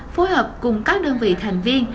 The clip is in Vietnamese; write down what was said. phối hợp cùng các đơn vị thành viên